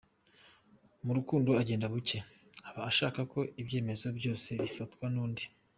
Mu rukundo agenda buke; aba ashaka ko ibyemezo byose bifatwa n’undi.